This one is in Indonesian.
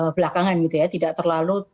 belakangan gitu ya tidak terlalu